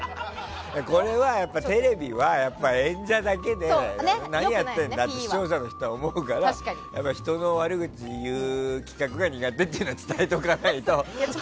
これはテレビは、演者だけで何やってんだって視聴者の人は思うから人の悪口言う企画が苦手って伝えておかないと。